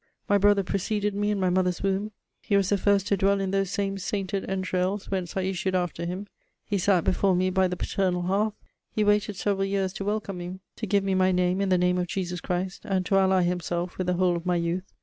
My brother preceded me in my mother's womb; he was the first to dwell in those same sainted entrails whence I issued after him; he sat before me by the paternal hearth; he waited several years to welcome me, to give me my name in the Name of Jesus Christ, and to ally himself with the whole of my youth.